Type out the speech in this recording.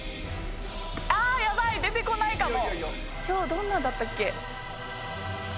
どんなだったっけ？